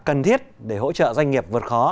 cần thiết để hỗ trợ doanh nghiệp vượt khó